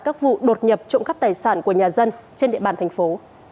các vụ đột nhập trộm cắp tài sản của nhà dân trên địa bàn thành phố